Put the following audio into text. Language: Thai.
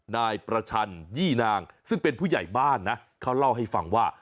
นายประชันยี่นางซึ่งเป็นผู้ใหญ่บ้านนะเขาเล่าให้ฟังว่า